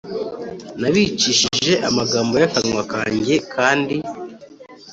Nabicishije amagambo y akanwa kanjye kandi